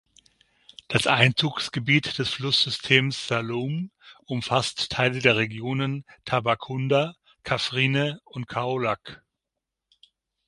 Das Einzugsgebiet des Flusssystems Saloum umfasst Teile der Regionen Tambacounda, Kaffrine und Kaolack.